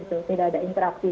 tidak ada interaksi